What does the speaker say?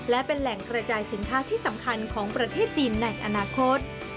และเป็นแหล่งกระจายสินค้าที่สำคัญของประเทศจีนในอนาคต